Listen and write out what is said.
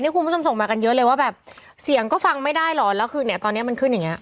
คุณผู้ชมส่งมากันเยอะเลยว่าแบบเสียงก็ฟังไม่ได้หรอแล้วคือเนี่ยตอนเนี้ยมันขึ้นอย่างเงี้